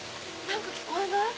何か聞こえない？